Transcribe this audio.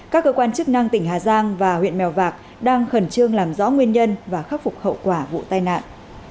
các cơ quan chức năng tỉnh hà giang và huyện mèo vạc đang khẩn trương làm rõ nguyên nhân và khắc phục hậu quả vụ tai nạn